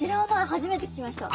初めて聞きました。